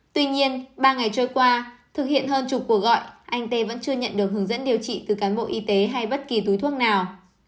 tuy nhiên ba ngày trôi qua thực hiện hơn chục cuộc gọi anh tê vẫn chưa nhận được hướng dẫn điều trị từ cán bộ y tế hay bất kỳ túi thuốc nào